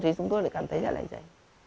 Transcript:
thì chúng tôi lại cảm thấy là vậy